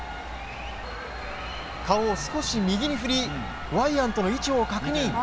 顔を少し右に振りワイアントの位置を確認。